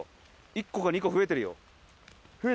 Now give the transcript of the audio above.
１個か２個増えてるよ